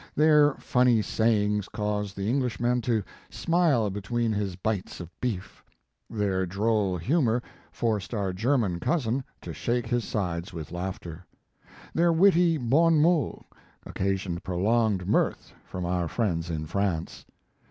Their funny sayings caused the Englishman to smile between his bites of beef. Their droll humor forced our German cousin to shake his sides with laughter. Their witty bon mots occasioned prolonged mirth from our friends in France.